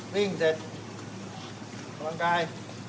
วิ่งเสร็จพร้อมกาย